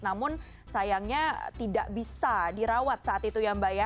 namun sayangnya tidak bisa dirawat saat itu ya mbak ya